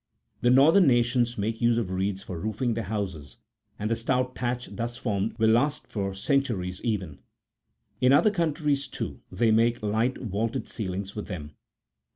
The northern nations make use of reeds or roofing their houses, and the stout thatch thus formed will last for centuries even ; in other countries, too, they make light vaulted ceilings with them.